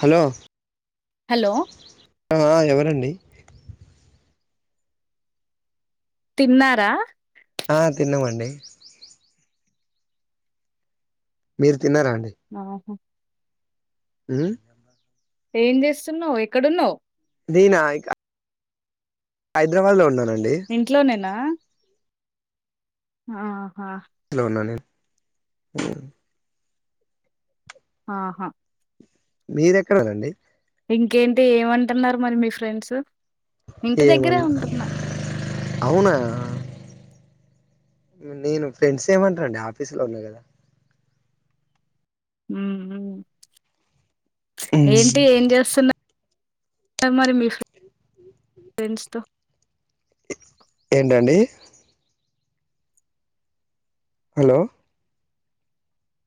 Hello hello ఎవరండి తిన్నారా ఆ తిన్నామండి మీరు తిన్నారా ఆహో మ్మ్ ఏం చేస్తున్నవ్ ఎక్కడున్నవు నేనా ఇక హైదరాబాద్ లో ఉన్నర ఇంట్లోనేనా ఆహా ఇంట్లో ఉన్నా నేన్ ఆహా మీరక్కడాండి ఇంకేంటి ఏమంటున్నారు మరి మీ ఫ్రెండ్స్ ఇంటి ఏం దగ్గరే కొనలే ఉంటున్నా అవునా నేను ఫ్రెండ్స్ ఏమంటారండి ఆఫీసు లో ఉన్నా కదా ఊ ఊ ఉమ్, ఏంటి ఏం చేస్తున్న మరి మీ ఫ్ ఫ్రెండ్స్ తో ఏంటండి హలో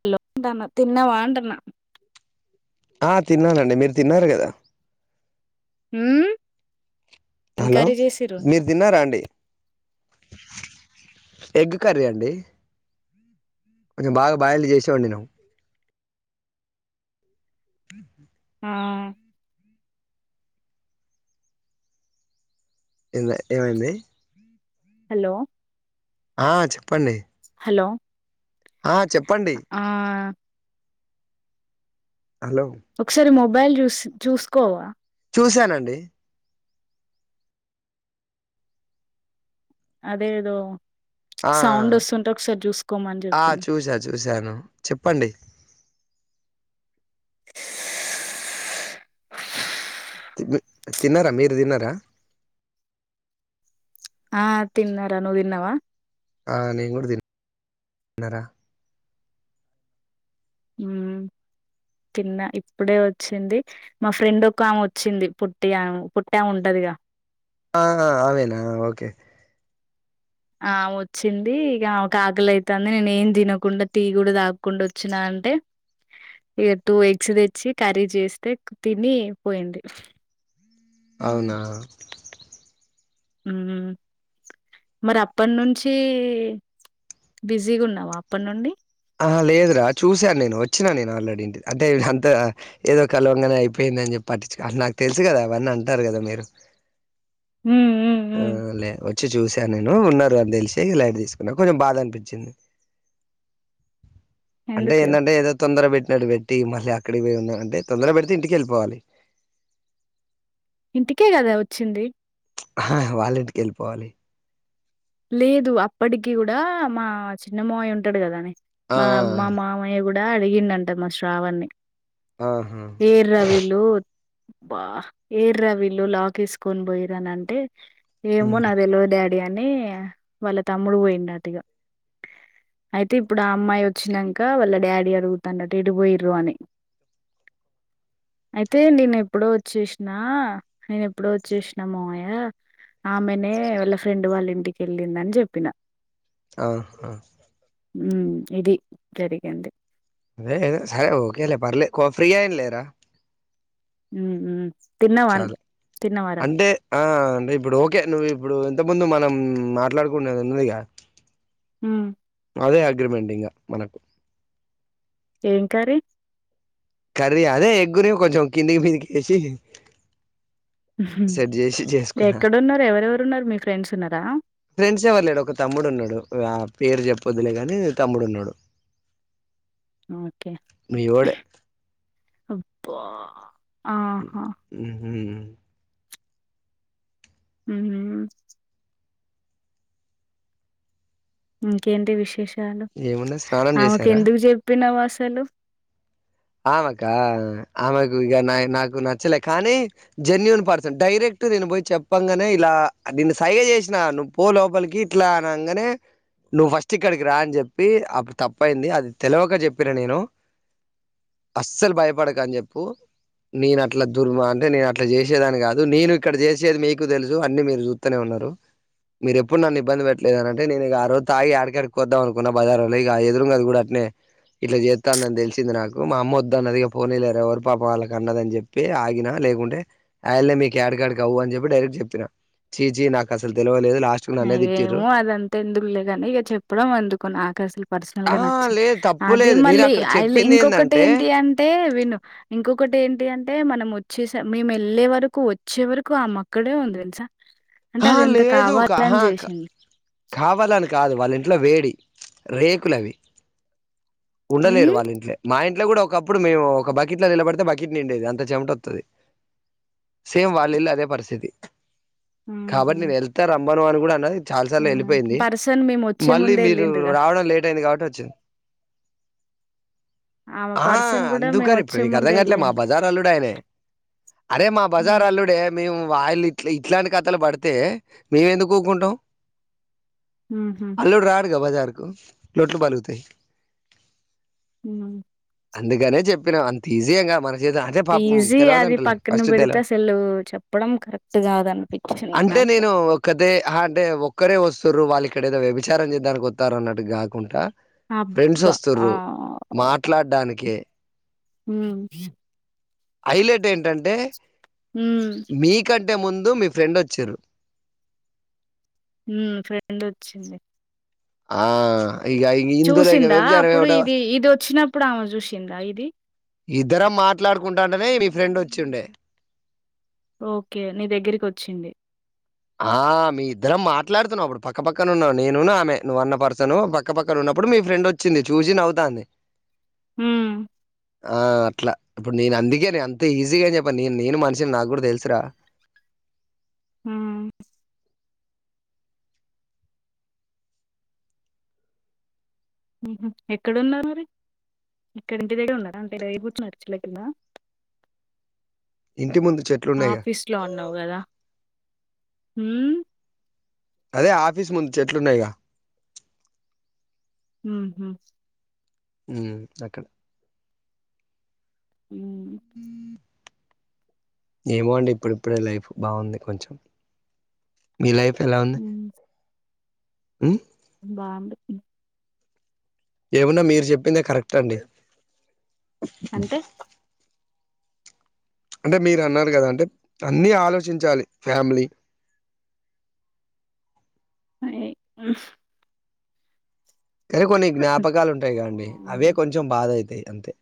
హలోంటానా తిన్న వాంటనా ఆ తిన్నానండి మీరు తిన్నారు కదా ఊ హలో మీరు తిన్నారాండి ఎగ్ కర్రీ అండి కొంచెం బాగా బాయల్డ్ చేసే లు చేసే వండినం హ ఆ ఏంబ్ ఏమైన్ది హలో ఆ చెప్పండి హలో ఆ చెప్పండి ఆ హలో ఒకసారి మొబైల్ చూసి చూసుకోవా చూశానండి అదేదో ఆ సౌండ్ వస్తుంటే ఒకసారి చూసుకోమని ఆ చెప్పిన చూసా చూసాను చెప్పండి తిదు తిన్నారా మీరు తిన్నారా ఆ తిన్నర నువు తిన్నవా ఆ నేను కూడా తిన్ తిన్నరా ఊ కింద ఇప్పుడే వచ్చింది మా ఫ్రెండ్ ఒక ఆమె వచ్చింది పుట్టి ఆమె పుట్టమే ఉంటది ఇగ ఆ ఆమేన ఓకే ఆ వచ్చింది ఇగ ఆమెకు ఆకలి ఐతంది నేనే ఏం తినకుండా టీ కూడా తాగకుండా వచ్చినా అంటే ఇక టూ ఎగ్స్ తెచ్చి కర్రీ చేస్తే తిని పోయింది అవునా ఊ మరి అప్పటి నుంచి బిజీగా ఉన్నావా అప్పటి నుండి ఆ లేదు రా చూసాను నేను వచ్చినాను నేను ఆల్రెడీ ఇంటి అంటే అంత ఏదో కలవంగానే అయిపోయింది అని చెప్పి పట్టి అట్ల నాకు తెలుసు కదా అవన్ని అంటారు కదా మీరు మ్మ్ మ్మ్ ఆ మ్మ్ లే వొచ్ వచ్చి చూసాను నేను ఉన్నారు అని తెలిసి లైట్ తీసుకున్నా కొంచెం బాధ అనిపించిది అంటే ఎందుకు ఏందంటే ఏదో తొందర పెట్ పెట్టి మళ్ళీ అక్కడికి పోయి ఉన్నా అంటే తొందర పెడితే ఇంటికె వెళ్ళిపోవాలి ఇంటికే కదా వచ్చింది ప్చ్ ఆహాహా వాళ్ళ ఇంటికి వెళ్ళిపోవాలి లేదు అప్పటికి కూడా మా చిన్నమామయ్య ఉంటాడు కద నే ఆ మా మా మామయ్య కూడా అడిగిండ అంట మా శ్రావణ్ణి ఆహా ఏరీ రా వీళ్లు బా ఏర్రా వీళ్లు లాక్ వేసుకొని పోయిర్రు అని అంటే ఏమో ఉమ్, నాకు తెలవదు డాడీ అని వాళ్ళ తమ్ముడు పోయిండు అటు ఇగా అయితే ఇప్పుడు ఆ అమ్మాయి వచ్చినాక వాళ్ళ డాడీ అడుగుతాండట ఎటు పోయిర్రు అని అయితే నేను ఎప్పుడో వచ్చేసినా నేను ఎప్పుడో వచ్చేసినా మామయ్య ఆమెనే వాళ్ళ ఫ్రెండ్ వాళ్ళ ఇంటికి వెళ్ళిందని చెప్పిన ఆహా ఉమ్ ఇది జరిగింది అదే సరే ఓకేలే పర్లే ఫ్రీ అయినలేరా ఉమ్ ఉమ్ చాలు అంటే ఆ అంటే ఇప్పుడు ఓకే నువ్వు ఇప్పుడు ఇంత ముందు మనం మాట్లాడుకునేది ఉన్నదిగా ఉమ్ అదే అగ్రిమెంట్ ఇంగ మనకు ఏం కర్రీ కర్రీ అదే ఎగ్గురే కొంచెం కిందికి మిందికి వేసి ఉహూ సెట్ చేసి చేసుకున్నా ఎక్కడున్నారు ఎవరెవరు ఉన్నారు మీ ఫ్రెండ్స్ ఉన్నారా ఫ్రెండ్స్ ఎవ్వరు లేడు ఒక తమ్ముడు ఉన్నాడు పేరు చెప్పొద్దులే కానీ తమ్ముడు ఉన్నాడు ఓకే మీవోడే అబ్బా ఉమ్ ఆహా ఉహూ ఉమ్ ఉహుం ఇంకేంటి విశేషాలు ఏమున్నా స్నానం ఆమెకు చేసారా ఎందుకు చెప్పినావ్ అ సలు ఆమెకా ఆమెకు ఇక నా నాకు నచ్చలే కానీ జెన్యూన్ పర్సన్ డైరె క్టు నేను పోయి చెప్పంగానే ఇలా నేను సైగ చేసినా నువ్వు పో లోపలికి ఇట్లా అనగానే నువ్వు ఫస్ట్ ఇక్కడికి రా అని చెప్పి అప్పుడు తప్పయింది అది తెలవక చెప్పిన నేను అస్సలు భయపడక అని చెప్పు నేను అట్లా దుర్మ అంటే నేను అట్లా చేసేదాన్ని కాదు నేను ఇక్కడ చేసేది మీకు తెలుసు అన్ని మీరు చూస్తూనే ఉం టారు మీరు ఎప్పుడు నన్ని ఇబ్బంది పెట్టలేదు అంటే నేను ఇక ఆ రోజు తాగి యాడికాడికో వద్దాం అనుకున్నా బజారులో ఇక ఎదురుంగ అది కూడా అ నే ఇట్లా చేత్తను అని తెలిసింది నాకు మా అమ్మ వద్ద అన్నది పోనీలే ఎవరి పాప వాళ్ళకి అన్నద అని చెప్పి ఆగిన లేకుంటే ఆయనే మీకు కలువు అని చెప్పిన డైరెక్ట్ చెప్పిన చీ చీ నాకు అసలు తెలవ ఏమో అదంతా ఎందుకులేగానీ ఇక చెప్పడం అందుకుని నాకు అసలు పర్సనల్ ఆ గా నచ్చలేదు లేదు తప్పు అదే లేదు నేను మళ్ళీ అక్కడ ఐల్ అ చెప్పింది ఇంకొకటి ఏందంటే ఏంటి అంటే విను ఇంకొకటి ఏంటి అం టే మనం వచ్చేస మేము వెళ్ళే వరకు వచ్చే వరకు ఆమె అక్కడే ఉంది తెలుసా అంటే ఆ అది ఎంత లేదు కావాల అని ఆహా చేసింది కావాలని కాదు వాళ్ళ ఇంట్లో వేడి రేకులవి హ్మ్ ఉండలేరు వాళ్ళ ఇంట్లే మా ఇంట్ ట్లో కూడా ఒకప్పుడు మేము ఒక బకెట్ లో నిలబడితే బకెట్ నిండేది అంత చెమట వస్తుది సేమ్ వాళ్ళు ఇల్లు అదే పరిస్థితి ఆహా! కాబట్టి నేను వెళ్తా రమ్మను అని కూడా అన్నది ఆ! తను వెళ్ళిపోయింది పర్సన్ మేము వచ్చే మళ్ళీ ముందే మీరు ఎళ్ళిండ్రుగా. రావడం లేట్ అయింది కాబట్టి చె ఆమె ఆ పర్సన్ గూడా మేము అందుకని ఇప్పుడు వచ్చే నీకు అర్థం ముందే కాట్లే మా ఎళ్ళిండు. బజార్ అల్లుడు అయనే అరే మా బజార్ హ్మ్. అల్లుడే మేము వాయిళ ఇట్లా ఇట్లాంటి కథలు పడితే మేము ఎందుకు ఊకుంటాం హుహు. అల్లుడు రాడుగా బజార్ కు లోట్లు పలుగుతాయి హ అందుకనే చెప్పినాం అంత ఈజీయ మన చేత అంటే పాపం ఈజీ అది తెలవదంటలే పక్కన ఫస్ట్ పెడితే తెలవదు అసలు చెప్పడం కరెక్ట్ కాద అనిపించింది నాకు అంటే నేను ఒకదే అంటే ఒక్కరే వస్తురు వాళ్ళు ఇక్కడ ఏదో వ్యభిచారం చేద్దడానికి వస్తారు అన్నట్టు కాకుండా ఫ్రెండ్స్ అబ్బా! వస్తుంరు మాట్లాడడానికే హ హైలెట్ ఏంటంటే హ్మ్. మీకంటే ముం అ మీ ఫ్రెండ్ వచ్చారు ఫ్రెండ్ వచ్చింది ఆ ఇగ ఇందులో ఇగ చూసిందా వ్యభిచారం అప్పుడు ఏముంటది ఇది ఇది వచ్చినప్పుడు ఆమె చూసిందా ఇది ఇద్దరం మాట్లాడుకుంటాంటనే మీ ఫ్రెండ్ వచ్చిండే ఓకే నీ దగ్గరికి వచింది ఆ మీ ఇద్దరం మాట్లాడుతున్నావు అప్పుడు పక్కపక్కన ఉన్నావు నేను ఆమె నువ్వు అన్న పర్సను పక్కపక్కన ఉన్నావు అప్పుడు మీ ఫ్రెండ్ వచ్చింది చూసి నవ్వుతాంది హ్మ్. ఆ అట్లా ఇప్పుడు నేను అందుకేని అంత ఈజీగా అని చెప్పను నేను నేను మనిషిని నాకు కూడా తెలుసురా ఉహ్మ్ ఉహ్మ్ ఎక్కడున్నారు మరి ఇక్కడ ఇంటి దగ్గర ఉన్నారా అంటే డై కూర్చునడిచలే కిందా ఇంటి ముందు చెట్లున్నాయిగా. ఆఫీస్ లో ఉన్నావు కదా ఉ అదే ఆఫీస్ ముందు చెట్లున్నాయిగా ఉహ్మ్ ఉ అక్కడ అ ఏమో అండి ఇప్పుడిప్పుడే లైఫ్ బాగుంది కొంచెం మీ లైఫ్ ఎలా ఉంది హ్మ్. బావుంది ఏమున్నా మీరు చెప్పిందే కరెక్ట్ అండి అంటే అంటే మీరు అన్నారు కదా అంటే అన్ని ఆలోచించాలి ఫ్యామిలీ అ కానీ కొన్ని జ్ఞాపకాలు ఉంటాయి కదండి అవే హ్మ్. కొంచెం బాధ అవుతాయి అంతే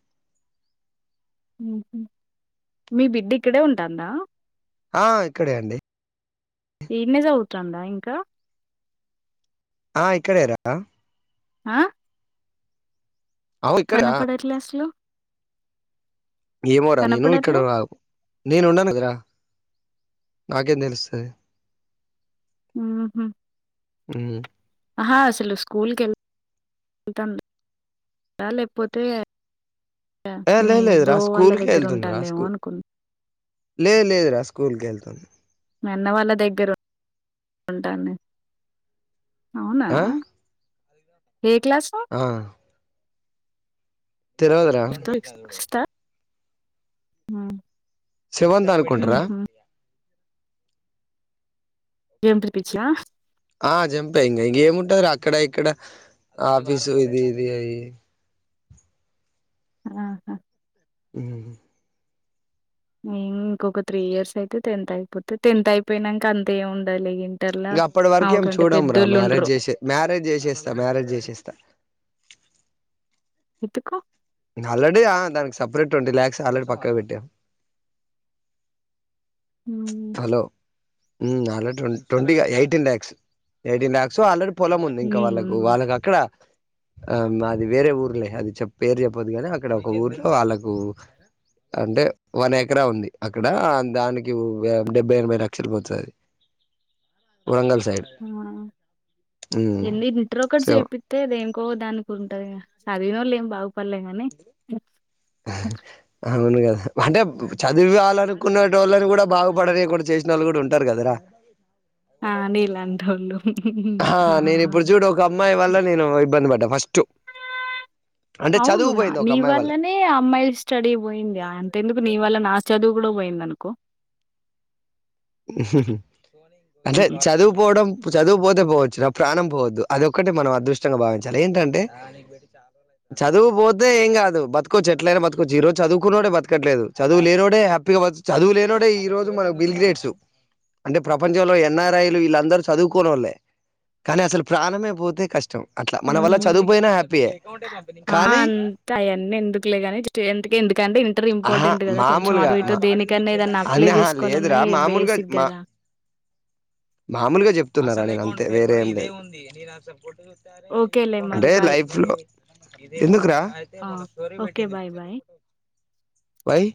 మీ బిడ్డ ఇక్కడే ఉంటాందా ఆ ఇక్కడే అండి ఇడనే చదువుతుండా ఇంకా ఆ ఇక్కడే రా ఆ అవు ఇక్కడ కనపడట్లే అసలు ఏమో రా నేను ఇక్కడ కనపడట్లే. నేను ఉండను కదా నాకెం తెలుస్తది ఉహ్మ్ అ ఆహా అసలు స్కూల్కి వెళ్ వెళ్తుందా లేకపోతే ఏ మీ లే లేదురా బ్రో వాళ్ళ స్కూల్ దగ్గర ఉంటాందేమో స్కూ అనుకున్నా లేదు లేదు రా స్కూల్ కెళ్తది మాయన్న వాళ్ళ దగ్గర ఉంటా అన్నది అవునా ఆ ఏ క్లాసు తెల్వదురా ఆ సెవంత్ అనుకుంట్రా ఏం పిరిపించా ఆ జంపింగ్ ఇంక ఏముంటారు అక్కడ ఇక్కడ ఆఫీసు ఇది ఇది అయి ఆహా ఉమ్ మేమ్ ఇంకొక త్రీ ఇయర్స్ అయితే టెన్త్ అయిపోతే టెన్త్ అయిపోయినంక అంత ఏం ఉండదులే ఇగ ఇం ఇంగా అప్పటి వరకేం చూడంరా మ్యారేజ్ చేసే మ్యారేజ్ జేసేస్తా మ్యారేజ్ జేసేస్తా ఎత్తుకో ఆల్రెడీ ఆ దానికి సపరేట్ ట్వంటీ ల్యాక్స్ ఆల్రెడీ పక్కకి పెట్టాం హ్మ్. హలో ఉమ్ already twenty eighteen lakhs eighteen lakhs already పొలం ఉంది ఇంకా హ్మ్. వాళ్ళకు హ్మ్. వాళ్ళకి అక్కడ ఆ మాది వేరే ఊర్లే అది చె పేరు చెప్పదు కాని అక్కడ ఒక ఊర్లో వాళ్ళకు అంటే వన్ ఎకరా ఉంది అక్కడ దాని డెబ్బై ఎనభై లక్షలు పోతది అది వరంగల్ సైడ్ ఆ ఉమ్ ఏంది ఇంటర్ ఒకటి సో జేపిస్తే దేనికోదానికి ఉంటది గా చదివినోళ్ళు ఏం బాగుపడలే గానీ అవును గదా అంటే చదివివ్వాలని కునే టోళ్ళని గూడా బాగుపడనీయ కుండా చేసినోళ్ళు గూడా ఉంటరు గదరా ఆ నీలాంటోళ్ళు ఆ నేను ఇప్పుడు చూడు ఒక అమ్మాయి వల్ల నేను ఇబ్బంది పడ్డా ఫస్ట్ అంటే అవును చదువు నా పోయింది ఒక అమ్మాయి వల్ల నీవల్లనే అమ్మాయి స్టడీ బోయింది అంతా ఎందుకు నీ వల్ల నా చదువు గూడా బోయింది అనుకో అంటే చదువు పోవడం చదువు పోతే పోవచ్చు ప్రాణం పోవద్దు అదొక్కటే మనం అదృష్టంగా భావించాలి ఏంటంటే చదువు పోతే ఏం గాదు బతుకోచ్చు ఎట్లైనా బతుకోచ్చు ఈ రోజు చదువుకున్నోడే బతకట్లేదు చదువులేనోడే హ్యాపీగా బతుకు చదువు లేనోడే ఈ రోజు మనకు బిల్ గ్రేట్స్ అంటే ప్రపంచంలో ఎన్ఆర్ఐలు వీళ్ళందరూ చదువుకోనోళ్ళే కానీ అసలు ప్రాణమే బోతే కష్టం అట్లా మన వల్ల హ్మ్. చదువుబోయినా హ్యాపీ‌ యే ఆ కానీ అంత అయన్నీ ఎందుకులే గాని జస్ట్ ఎందుకే ఎందుకంటే ఇంటర్ ఆహా ఇంపార్టెంట్ కదా కొంచెం మామూలుగా అటు ఇటు దేనికన్నా ఏదన్నా అప్లై అదే హ చేసుకోవాలన్నా లేదురా మామూలుగా బేసిక్ మా కదా మామూలుగా జెప్తున్నారా నే అంతే వేరే ఏం లేదు ఓకేలే మరి అంటే బాయ్ లైఫ్ లో ఎందుకురా ఆ ఓకే బాయ్ బాయ్ వైయ్